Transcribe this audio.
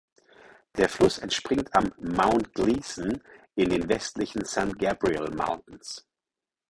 Der Fluss entspringt am "Mount Gleason" in den westlichen San Gabriel Mountains.